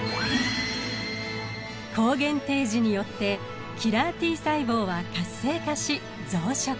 抗原提示によってキラーＴ細胞は活性化し増殖。